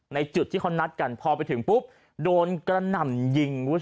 จุดที่เขานัดกันพอไปถึงปุ๊บโดนกระหน่ำยิง